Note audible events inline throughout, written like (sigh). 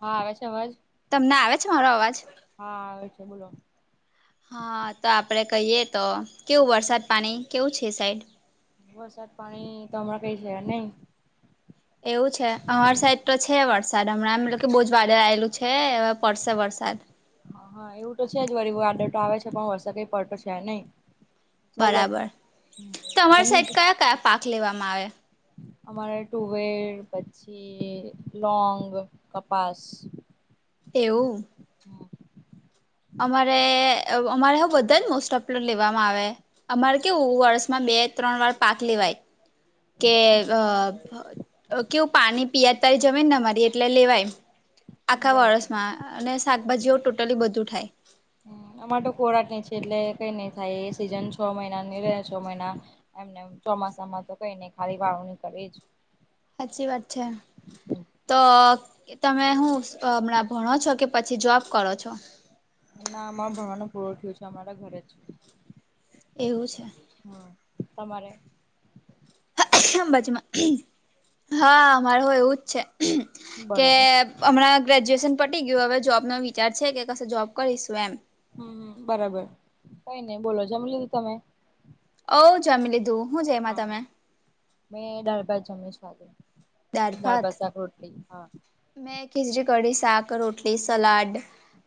હા આવે છે આવાજ. તમને આવે છે મારો અવાજ. હા આવે છે બોલો. હા તો આપણે કહીએ તો કેવું વરસાદ પાણી કેવું છે સાઈડ વરસાદ પાણી તો હમણાં કઈ છે નહી. એવું છે અમાર સાઈડ તો છે વરસાદ હમણાં એવલુ કે બહુ જ વાદળ આવેલું છે પડશે વરસાદ. હા હા એવું તો છે જ વરી વાદળ તો આવે છે પણ વરસાદ કઈ પડતો છે નહી. ચાલ્યા બરાબર કરે છે તમારી સાઇટ જમી કયા કયા પાક લેવામાં આવે. અમારે ટુ વેર પછી લોંગ કપાસ. એવું અમારે અમારે હ બધા જ મોસ્ટ ઓફ લી લેવામાં આવે અમારે કેવું વર્ષમાં બે ત્રણ વાર પાક લેવાય. કે અ કેવું પાણી. પીઆ તારી જમેનને મારી એટલે લેવાય આખા બરાબર વર્ષ માં અને શાકભાજીઓ ટોટલી બધું થાય. હ આમા તો ખોરાટ હી છે એટલે કઈ નહી થાય એ સિઝન છ મહિના ની રહ્યા છ મહિના એમને ચોમાસા માં તો કઈને ખાલી વાવણી કરી જ સાચી વાત છે તો તમે હું હમણાં ભણો છો કે પછી જોબ કરો છો ના અમારે ભણવાનું પુરું થીયુ છે અમારા ઘરે જ એવું છે હા તમારે કેમ બાજુમાં હા મારે હો એવુંજ છે કે બરોબર હમણાં ગ્રેજ્યુએશન પટી ગયું હવે જોબનો વિચાર છે કે કશે જોબ કરીશું એમ હમ બરાબર કઈ નહી બોલો જમ લીધું તમે ઓ જમી લીધું હું જઈમાં હા તમે મેં દાળ ભાત જમુ છુ આજે દાલ ભાત શાક રોટલી મેં ખીજરી કડી શાક રોટલી સલાડ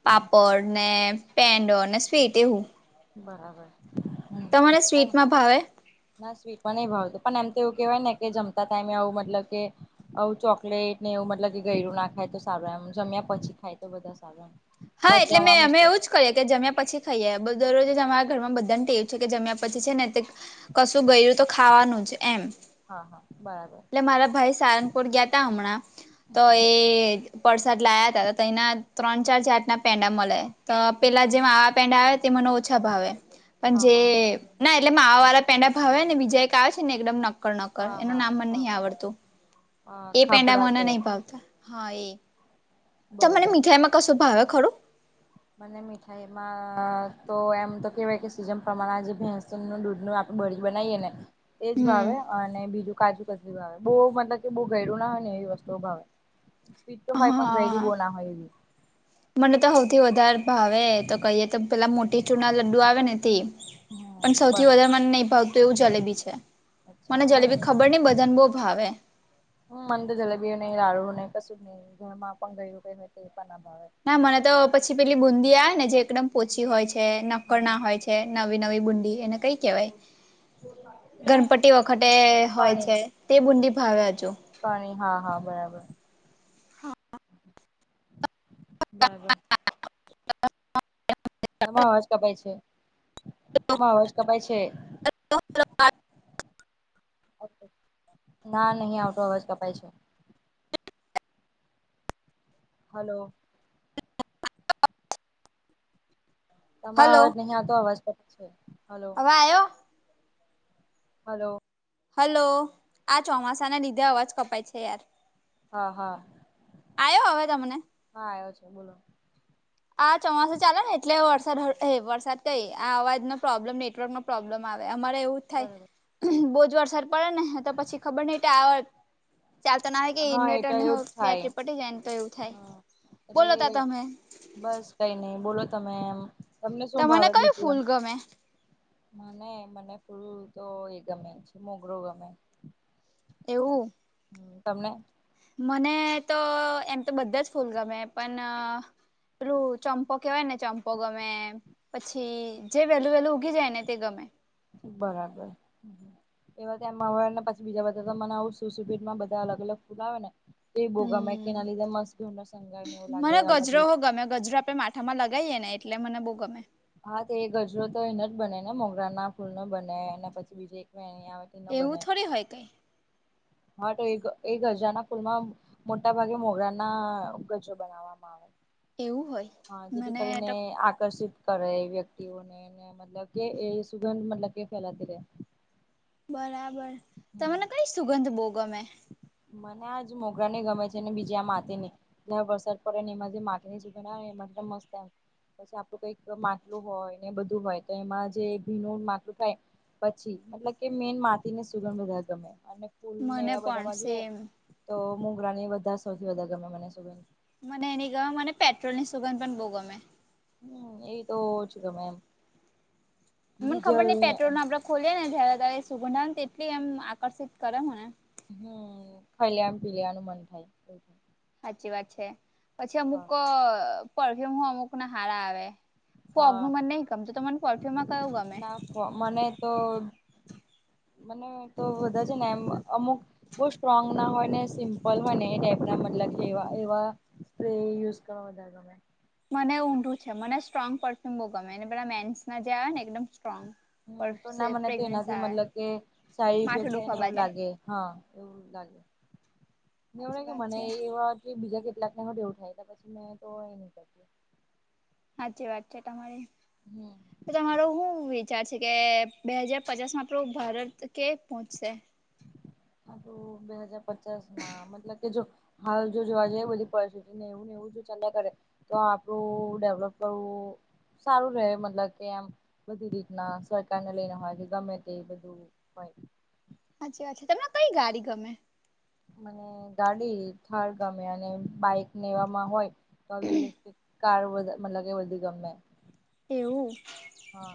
પાપડ ને પેનડો ને સ્વીટ એ વ બરાબર હમ તમારે પણ સ્વીટમાં ભાવે ના સ્વીટમાં નહી ભાવતું પણ એમ તો એવું કેહેવાય ને કે જમતા ટાઈમે આવું મતલબ કે આવું ચોકલેટ ને એવું મતલબ કે ગરું ના ખાય તો સારું એમ જમ્યા પછી ખાય તો બધા સારું એમ હા એટલે પચવામાં મેં અમે મુશ્કેલ પૂછ્યું જ કરીએ કે જમ્યા પછી ખાઈએ દરરોજ અમારા ઘરમાં બધાને ટેવું છે કે જમ્યા પછી છે ને કશું ગયું તો ખાવાનું જ એમ હા હા બરાબર એટલે મારા ભાઈ સારનપુર ગયા ત હમણાં તો હ એ પરસાદ લાયા ત તો એના ત્રણ ચાર ચત ના પેંડા મળે તો પેલા જેમ આવા પેંડા તે મને ઓછા ભાવે પણ હા જે હા ના એટલે મા વાળા પેંડા ભાવે ને બીજા એક ક આવે છે ને એકદમ નક્ હા હા થકક એ પેંડામાના નહી ભાવતા હા એ મને બરોબર મીઠાઈમાં કશું ભાવે ખરું મ મીઠાઈ એમાં તો એમ તો કહેવાય કે સીઝન પ્રમાણે જે ભેંસનું દૂધનું આપણે બળ બનાવીએ ને એજ હમ ભાવે અને બીજું કાજુ કચરી ભાવે બહુ મતલબ કે બહુ ઘડું ના હોય ને એવી વસ્તુઓ ભાવે સ્પીડ તો હોય પણ ગઈડી બહુ ના હોય એવી હ મને તો સૌથી વધારે ભાવે તો કહીએ તો પેલા મોટી ચૂના લડ્ડુ આવે ને હમ પણ સૌથી બરાબર વધારે મને નહી ભાવતું એવું જલેબી છે મને જલેબી ખબર નહ બધન બહુ ભાવે હમ મંદ જલેબી નહીિ લાડુ નહીં કશું જ નહીિ ઘરમાં પણ ગયું કઈ એ પણ અભાવે ના મને તો પછી પેલી બુંદી આવે ને જે એકદમ પોચી હોય છે નક્કર હા હા ના હોય છે કે નવી નવી બુંડી એને કઈ કેહેવાય ગણપતિ વખતે હોય છે તે બુંદી ભાવે હજુ પાણી હા હા બરાબર બરાબર એમાં અવાજ કપાય છે એમાં અવાજ કપાય છે હ ઓકે ના નહીં આવટો અવાજ કપાય છે હલો તમારો હલો અવાજ નહીં આતો અવાજ તો છે હલો પાાયો હલો હલો આ ચોમાસાના લીધે અવાજ કપાય છે યાર હા હા આયો હ તમને હા આવ્યો છે બોલો આ ચોમાસું ચાલે ને એટલે વરસાદ વરસાદ કઈ આ અવાજ નો પ્રોબ્લેમ નેટવર્ક ન પ્રોબ્લેમ આવે અમારે એવું થાય બરોબર બોજ વરસર પડે ને તો પછી ખબર નહ આ ચાલતા ના આવે કે હા એ ઇન્વેટર તો એવું જ થાય બેટરી પટી જાય ને તો એવું થાય હા એટલે બોલો ત તમે બસ કઈ નહી બોલો તમે એમ તમને શું ભાવે કયું બીધું ફૂલ ગમે એ મને મને ફૂલું તો એ ગમે છે મોગરો ગમે એવું હ તમને મને તો એમ તો બધા જ ફૂલ ગમે પણ પેલું ચંપો કેવાય ને ચંપો ગમે પછી જે વેહેલું વેહેલું ઉઊગી જાય ને તે ગમે બરાબર એ વા એમ આવેને પછી બીજા મને આવ સુ સુભીટમાં બધા અલગ અલગ ફૂલ આવે ને તે બોગામાં કેના હમ લમ મસ્ત સંગાર ને એવું લાગે મને અલગ ગજરો અલગ ગમે ગજરા પે મા હામાં લગાવીએ ને એટલે મને બહુ ગમે હા તો એ ગજરો તો એને જ બને ને મોગરા ના ફૂલ ન બને અને પછી બીજે એકં આવે તેનો એવું બને થોડી હોય કઈ હા તો એ ગજારના ફૂલ માં મોટા ભાગે મોગરા ના ગજો બનાવવામાં આવે એવું હોય હા જેથી મને કરીને તો આકર્ષિત કરે એ વ્યક્તિઓનેને મતલબ કે એ સુગંધ મતલબ કે ફેલાતી રહેે બરાબર તમને કઈ સુગંધ બોુ ગમે મને આજ મોગરાને ગમે છે ને બીજી આ માથે વરસાદ પડે ને એમાં જે માટી ની સુગનાને એમાં મત એમ પછી આપણું કઈક માટલું હોય ને બધું હોય તો એમાં જે ભીનું માટલું થાય પછી મતલબ કે મેન માટીને સુગમ બધા ગમે અને ફૂલ ને મને એવા પણ બધામાં જોઈએ સેમ તો મુગરા ની વધારે સૌથી વધારે ગમે મને શું મને એની ગ મને પેટ્રોલ ની સુગંધ પણ બહુ ગમે હમ એ તો જ ગમે એમ બીજા ખોલી ને જ્યારે ત્યારે સુગંધા ને તેટલી એમ આકર્ષિત કરે હો ને હમમ ખાલેમ પીલેનુ મ થાય એ સાચી વાત છે પછી અમુક હા પરફ્યુમ અમુક ના હારા આવે ફોગ હા નું મને નહી ગમત ત મને ફફ્યુમાં કયું ગમે ના મને તો મને તો બધા છે ને એમ અમુક બહ સ્ટ્રોંગ ના હોય ને સિમ્પ ફલ હોય ને એ ટાઈપ ના મતલબ કે એવા સ્પ્રે યુઝ કરો બ તમે મને ઊંડું છે મને સ્ટ્રોંગ પરફ્યુમ બો ગમે અનેને પેલા મેન્સના જે આવે ને એકદમ સ્ટ્રોંગ પર હમ તો ના મને તો ફ્રેગ્રન્સ એનાથી આવે મતલબ કે સાઈડ ઇફેક્ટ માથું થાય દુખવા ને એવું બાજે લાગે હા એવું લાગે એવડે સાચી કે વાત મને છે એવા બીજા કેટલાક ને ેવું થાય હતા પછી મેં તો એ ન હાચી વાત છે એ તમારે હમ તો તમારો શું વિચાર છે કે બે હાજાર પચાસ માં આપણું ભારત કે પહોંચશે હ બે હજાર પચાસ માં મતલબ કે જો હાલ જો જોવા જઈએ બધી પરિસ્થિતિ ને એવું ને એવું જો ચાલીયા કરે. તો આપડું ડેવલોપ કરવું સારું રે મતલબ કે એમ બધી રીતના સરકાર ને લઈને હોય છે ગમે તે બધું. હોય. અચ્છા અચ્છા તમને કઈ ગાડી ગમે. મને ગાડી થાર ગમે અને બાઈક ને એવામાં હોય તો આવી ઇલેક્ટ્ર કાર વધ મતલબ કે એ વધી ગમે. એવું. હા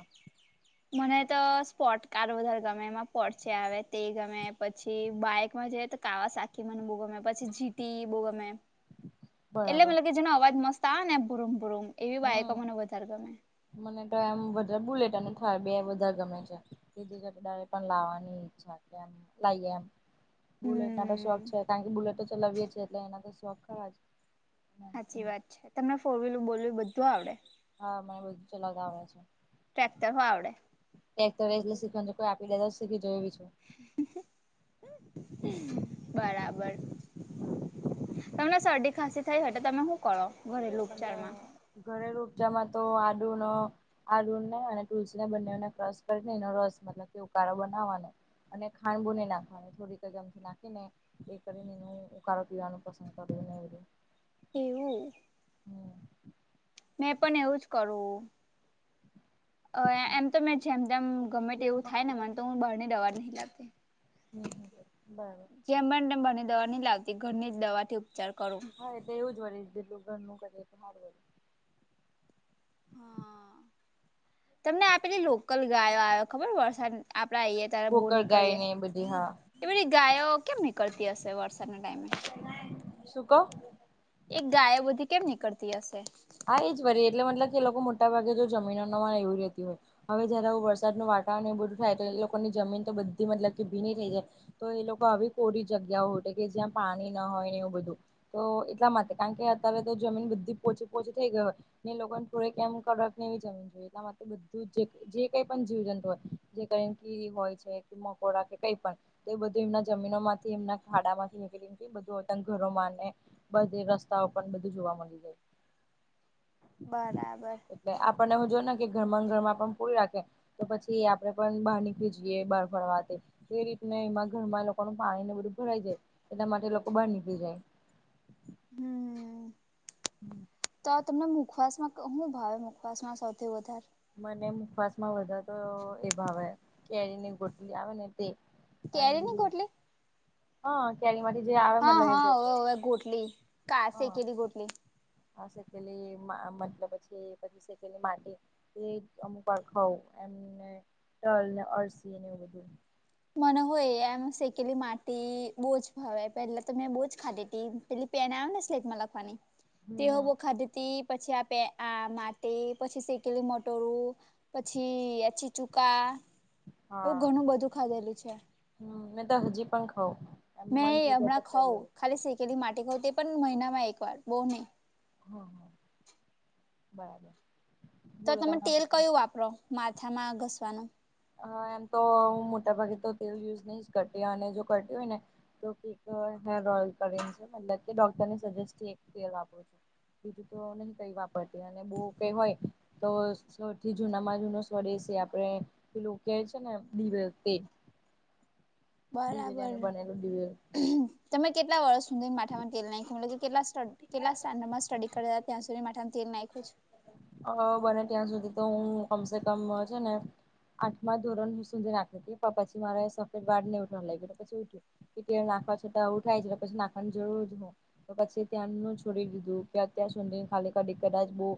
મને તો સ્પોટ કાર વધારે ગમે એમાં પોડચે આવે તે ગમે પછી બાઈકમાં જઈ તો કાવા સાખી મને બો ગમે પછી જીટી બો ગમે. એટલે બરાબર મતલબ કે જેનો અવાજ મત આ ને ભુરુમ ભુરૂમ એવી બાકો હમ મને વધારે ગમે. મને તો એમ વધારે બુલેટ અને થાર બે વધાર ગમે છે. કે જેજગડા પણ લાવવાની ઈચ્છા કેમ લાઈએ એમ. બુલેટ ના તો હમ શોખ છે કારણ કે બુલેટ તો ચલાવીયે છીયે એ એટલે એના તો શોખ ખરા જ. હાચી વાત છે તમને ફોર વ્હીલ બોલવીલ બધું આવડે. હા મને બધું ચલાવતા આવડે છે. ટ્રેક્ટર હો આવડે. ટેક્ટ એટલે શીખવાનું કોઈ આપી લે તોીખી જોુંીું હ બરાબર. તમને શરદી ખાંસી થઈ હોય તો તમે હું ઉકાળો ગરેલું. અને ઘરેલુ ઉપચારમાં તો આદુનો આદુને અને તુલસીને બંનેને ક્રશ કરીને એનો રસ મતલબ કે ઉકાળો બનાવવાનો. અને ખાંડ બો ની નાખવાની થોડીક જ અમથી નાખી ને એ કરીને એનું ઉકાળો પીવાનું પસંદ કર્યું ને એ બધું. એવું. હમ્મ. મેં પણ એવું જ કરું. અ એમ તો મેં જેમ જેમ ગમે એવું થાય ને મને તો હું બહાર ની દવા નહી લતી. હમ્મ બરાબર. જેમ બને તેમ બારની દવા નહી લાવતી ઘરની જ દવા થી ઉપચાર કરું છુ. હા એ તો એવું જ વળી જેટલું ઘરનું કરી તો હારુ એમ. તમને આપેલી લોકલ ગાયો આવે ખબર વરસાદ આપડા અહિયે. ગોકડ ગાયને એ બધી હા. એ બધી ગાયો કેમ નીકળતી હશે વરસાદના ટાઈમે. શું કો. એક ગાયો બધી કેમ નીકળતી હશે. હા એ જ વરી એટલે મતલબ કે એ લોકો મોટા ભાગે જો જમીનો ન હોય એવી રહેતી હોય. હવે જયારે આવું વરસાદનું વાતાવરણ એ બધું થાય તો એ લોકોની જમીન તો બધી મતલબ કે ભીની થઈ જાય. તો એ લોકો આવી કોરી જગ્યાઓ હોધે કે જ્યાં પાણી ન હોય ને એવું બધું. તો એટલા માટે કારણ કે અત્યારે તો જમીન બધી પોચી પોચી થઈ ગયો હો એ લોકોને થોડીક કેમ કડક ને એવી જમીન જોઇએ એટલા માટે બધું જ એક જે કઈ પણ જીવ જંતુ હોય જે ક કેરી હોય છે કે મકોડા કે કઈ પણ. તો એ બધું એમના જમીનોમાંથી એમના ખાડામાંથી નીકળી નીકળી ને બધું ઘરોમાંને બધ રસ્તાઓ પણ બધું જોવા મળી જાય. બરાબર. આપણને હું જોય ને કે ઘર માં ઘર આપણે પૂરી રાખે. તો પછી આપડે પણ બહાર નીકળી જીએ બહાર ફરવાથી એ રીતના એમાં ઘરમાં લોકોનું પાણી ને બધું ભરાઈ જાય એના માટે લોકો બહાર નીકળી જાય. હમ્મ. હમ્મ. તો તમને મુખવાસમાં હું ભાવે મુખવાસ માં સૌથી વધારે. મને મુખવાસ માં વધધા તો એ ભાવે કેરી ની ગોટલી આવે ને. કેરીની ગોટલી હા કેરી વાળી જે આવ. હા હા ઓવેવે ગોટલી ક સે કેલી ગોટલી. સેલી મતલબ પછી પી સેલી માટી (inaudible) તે અમુક વાર ખઉું એમને ટલને અળસીને એવું બધું. મને હોય એમ શેકેલી માટી બહુ જ ભાવ પેલા તો મેં બહુજ ખાધી હતી પેલી. પેના આવે ને સ્લેટ માં લખવાની હમ તે હમ બો ખાધથી. પછી આપે આ માટી પછી શેકેલી મોટરું. પછી આછીચુકા એવું ઘણું બધું ખાધેલું છે. મે તો હજી પણં ખાઓ. મેં હમણાં ખાઉં ખાલી શેકેલી માટેટી ખઉ તે પણ મહિના માં એક વાર બહુ નહીં. હા હા બરાબર. તો બોલો તમે તમારા તેલ પછી કયું વાપરો માથામાં ઘસવાનું. હ એમ તો હું મોટાભાગે તો તેલ યુઝ નહી જ કરતી અને જો કરતી હોય ને. તો હેયર ઓઈલ કરીને છે મતલબ કે ડોક્ટર સજેસ્ટી વાપરું છું કીધું તો નહી કઈ વાપરતી અને બહુ કઈ હોય. તો સૌથી જૂનામાં જૂનો સ્વડે છે આપણે પેલો કે છે ને દિવલ તે. બરાબર બનેલું દિવેલ તમે કેટલા વર્ષ સુધોને માથામાં તેલ નાયખ્યુ મત. કેટલા સ્ટેન્ડ કેટલા સ્ટેન્ડરમાં સ્ટડી કરે હતા ત્યાં સુધી માટે તેલ નાખ્યું છે. અ બને ત્યાં સુધી તો હું કમસે કમ છે ને. આઠમા ધોરણ સુુંઘી નાખ કે પણ પછી મારા સફેદ વાળ ઉઠવા લાગે પપ ઉઠ. કે ત નાખવા છતાં ઉ થાય છેટલે પછી નાખવાની જરૂર જ હોય. તો પછી ત્યાં છોડી દીધું કે ત્યાં સુધી ખાલી. કદી કદાચ બહુ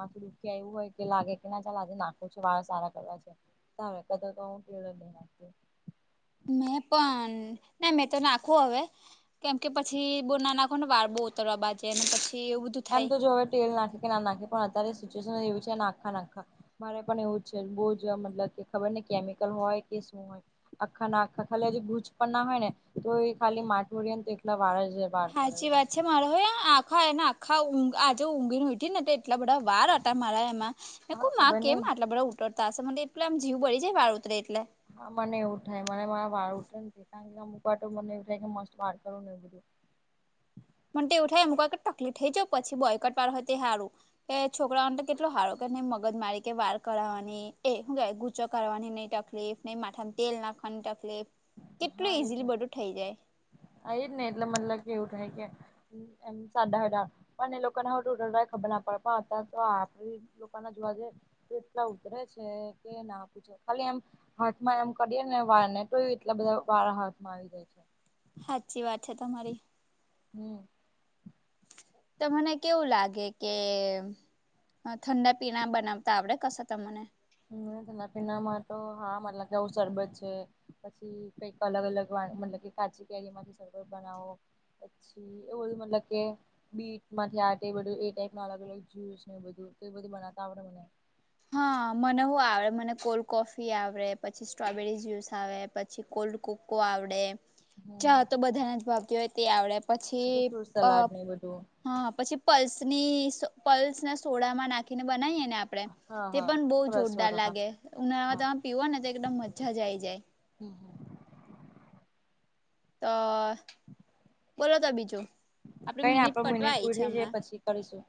માંથું દુખ્યા એવું હોય કે લાગે કે ના ચાલ આજે નાખો છ વાળ સારા કરવા છે. તાવ કદા કું કેળ નંગ મેં પણ ના મેં તો નાખવું હવે. કેમ કે પછી બો ના નાખો ને વાર બો ઉતરવા બાજેને પછી. એવું બધું એમ થાય. તો જો હવે તેટેલ નાખી કે નાખે પણ અત્યારે સિચ્યુએશન એવી છે નાખા નાખા. મારે પણ એવું જ છે બહુ જ મતલબ કે ખબર ને કેમિકલ હોય કે શું હોય. આખા ના આખા ખાલી ગુંચ પણ ના હોય ને તો એ ખાલી માથુઓળી એને એકલા વાળા‌. હાચી વાત છે. મારે હોય આખા એને આખા ઊં આજે ઊંઘીને ઉઠીને તો એટલા બધા વાર હતા મારા એમાં હ ક હા મા ખબર કેમ નઈ આટલા બધા ઉતરતા હશે મ એટલે આમ જીવ બળી જાય વાળ ઉતરે એટલે હા મને એવું થાય મને મારા વાર ઉતરે કારણ કે આ મુકવા મને એવું થાય કે મસ્ત વાર કરવું ને એ બધું. પણ એવું થાય એમ ક ટકલી થઈ જાવ પછી બોયકટ વાર હોય તે હારું. એ છોકરાઓ કેટલો હારો કે ન મગજ મારી કે વાર કરાવવાની એ શું કે ગુચો કરવાની નહી ટક. તકલીફ નહી માથા તેલ નાખવાની તકલીફ કેટલું ઈઝીલી બધું થઇ જાય. આ જ ને એટલે મન લાગે કે એવું થાય કે. સાડા હઢાર પણ એ લોકોને હ ટ ખબર ના પડે પણ અ તો આપડી. લોકો ના જોવા જેે એટલા ઉતરે છે કે ના્ ખાલી એમ હાથમાં એમ કરીએ ને વાળ ને તો એટલા બધા વાળા હાથમાં આવી જાય છે. હાચી વાત છે તમારી. હમ તો મને કેવું લાગે કે ઠંડા પીણા બનાવતા આવડે કશે તમને? હ ઠંડા પીનામાં તો હા મતલબ કેવું શરબત છે. પછી કઈક અલગ અલગ મતલબ કે કાચી કેરી માંથી માં થી શરબત બનાવો. જી ઓ મતલબ કે. બીટ માંથી આ બધું એ ટાઈપ અલગ અલગ જ્યુસ ને બધું બધું બનાવતા આવડે મને હા મને હું આવડે મને કોલ્ડ કોફી આવડે પછી સ્ટ્રોબેરી જ્યુસ આવે પી પ કોલ્ડ કોકો આવડે હમ ચા તો બધા ના જ ભાવતી હોય તે આવડે પછી ફ્રૂટ અ સલાડ ને બધું હા પછી પલ્સની પલ્સ ના સોડામાં નાખીને બનાવીએ ને આપડણે હા તે હા પણ બહુ સરસ જોરદાર વારો હા લાગે ઉનાળામાં હા તમે પીવો ને તો એકદમ મજા જ આઈ જાય હમ હમ તો હમ બોલો ત બીજું આપડી કઈ આપો પટવા મિનિટ આઈ છે પૂરી જ હમણાં પછી કરીશું